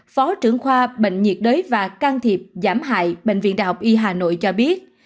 phó trưởng khoa bệnh nhiệt đới và can thiệp giảm hại bệnh viện đh y hà nội cho biết